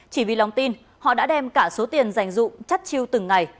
chỉ vì lòng tin họ đã đem cả số tiền dành dụng chất chiêu từng ngày